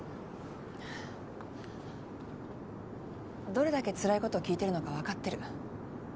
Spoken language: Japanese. どれだけつらいこと聞いてるのか分かってる。